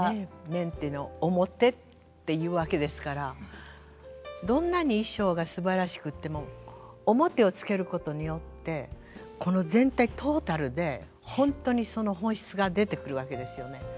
面っていうの面って言うわけですからどんなに衣装がすばらしくっても面をつけることによってこの全体トータルで本当にその本質が出てくるわけですよね。